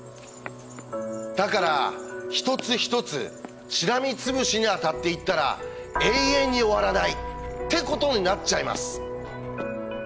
だから一つ一つしらみつぶしに当たっていったら永遠に終わらないってことになっちゃいます。